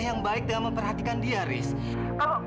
dan saya juga sudah berusaha untuk menjadi ayah yang baik